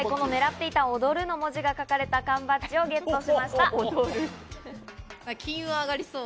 このねらっていた「踊」の文字が書かれた缶バッジをゲットしました。